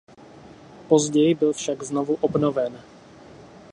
Později byl však znovu obnoven.